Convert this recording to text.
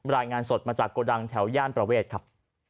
รายงานสดมาจากโกดังแถวย่านประเวทครับ